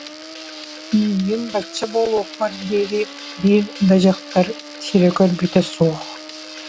Миигин бачча буолуохпар диэри биир да дьахтар сирэ көрбүтэ суох